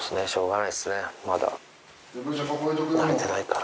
なれてないから。